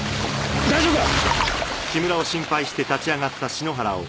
大丈夫か？